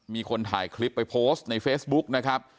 มีคนถ่ายคลิปไปโพสต์ในเฟซบุ๊กนะครับ